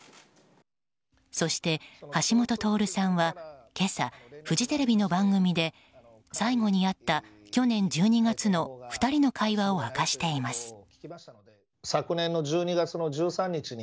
そして、橋下徹さんは今朝フジテレビの番組で最後に会った去年１２月の２人の会話を明かしています。